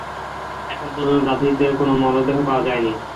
এখন পর্যন্ত যাত্রীদের কোন মরদেহ পাওয়া যায়নি।